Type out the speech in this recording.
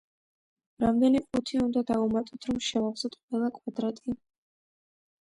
რამდენი ყუთი უნდა დავუმატოთ, რომ შევავსოთ ყველა კვადრატი?